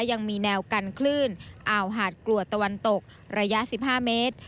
ยังมีแนวกันคลื่นอ่าวหาดกลวดตะวันตกระยะ๑๕เมตร